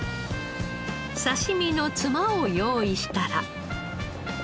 刺し身のツマを用意したら。